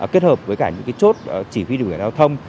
kết hợp với cả những cái chốt chỉ huy điều khiển giao thông